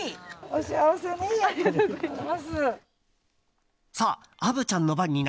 お幸せに。